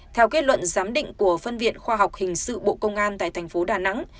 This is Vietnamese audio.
theo kết luận giám định của phân viện khoa học hình sự bộ công an tại tp đà nẵng